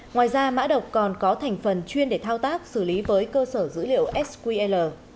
ngoài ra mã độc còn có thành phần chuyên để thao tác xử lý với cơ sở dữ liệu sql